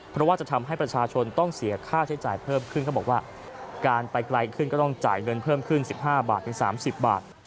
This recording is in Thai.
เพราะว่าจะทำให้ประชาชนต้องเสียค่าใช้จ่ายเพิ่มขึ้นเขาบอกว่าการไปไกลขึ้นก็ต้องจ่ายเงินเพิ่มขึ้น๑๕บาทถึง๓๐บาท